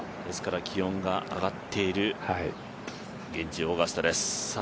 ですから気温が上がっている現地オーガスタです。